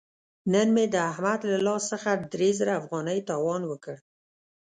نن مې د احمد له لاس څخه درې زره افغانۍ تاوان وکړ.